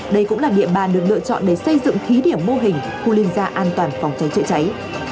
đây cũng là địa bàn được lựa chọn để xây dựng thí điểm mô hình khu liên gia an toàn phòng cháy chữa cháy